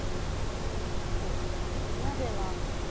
いや嫌では。